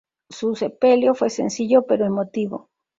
Su sepelio fue sencillo pero emotivo.